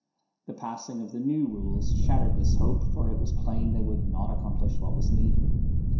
The passing of the New Rules shattered this hope, for it was plain they would not accomplish what was needed.